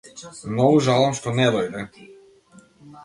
Многу жалам што не дојде.